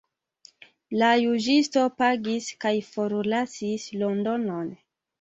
La juĝisto pagis kaj forlasis Londonon.